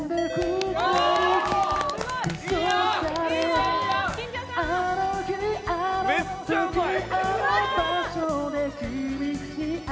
すごい！